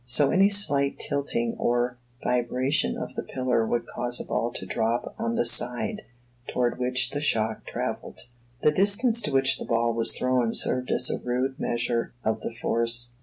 So any slight tilting or vibration of the pillar would cause a ball to drop on the side toward which the shock travelled. The distance to which the ball was thrown served as a rude measure of the force.